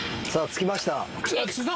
着きました